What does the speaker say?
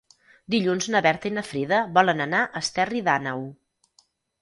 Dilluns na Berta i na Frida volen anar a Esterri d'Àneu.